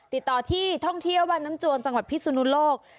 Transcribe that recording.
ติดต่อที่ท่องเที่ยววันน้ำจวนจังหวัดพิสุนุโลก